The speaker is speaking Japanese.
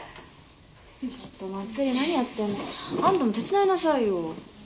ちょっと茉莉何やってんの。あんたも手伝いなさいよ。